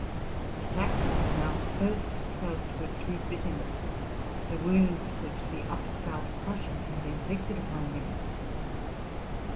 The Saxon now first felt, with true bitterness, the wounds which the upstart Prussian had inflicted upon him.